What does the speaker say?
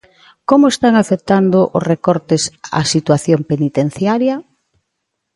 Como están afectando os recortes á situación penitenciaria?